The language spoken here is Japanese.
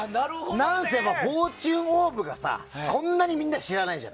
何せ「フォーチュンオーブ」がそんなにみんな知らないでしょ。